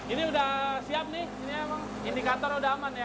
ini udah siap nih ini emang indikator udah aman ya